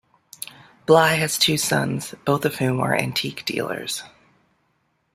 Bly has two sons, both of whom are antique dealers.